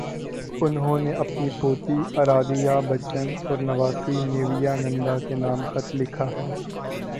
انہوں نے اپنی پوتی ارادھیابچن اور نواسی نیویا ننداکے نام خط لکھا ہے۔